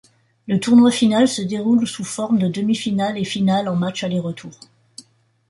Le tournoi final se déroule sous forme de demi-finales et finales en matches aller-retour.